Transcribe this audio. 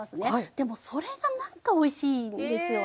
でもそれが何かおいしいんですよね。